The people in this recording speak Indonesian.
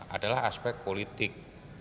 adalah aspek politik